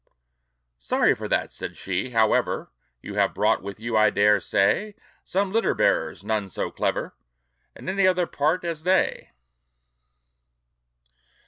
"Sorry for that!" said she. "However, You have brought with you, I dare say, Some litter bearers; none so clever In any other part as they.